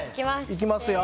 いきますよ。